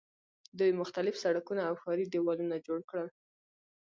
دوی مختلف سړکونه او ښاري دیوالونه جوړ کړل.